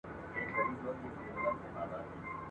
په سرو وينو سره لاسونه ,